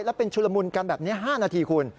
แล้วเป็นชุลมุนกันแบบนี้๕นาทีคุณ